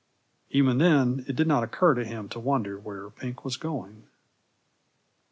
Even then it did not occur to him to wonder where Pink was going.